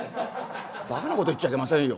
「バカなこと言っちゃいけませんよ。